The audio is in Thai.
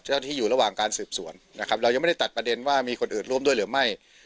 เจ้าที่อยู่ระหว่างการสืบสวนนะครับเรายังไม่ได้ตัดประเด็นว่ามีคนอื่นร่วมด้วยหรือไม่